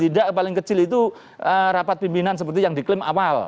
tidak paling kecil itu rapat pimpinan seperti yang diklaim awal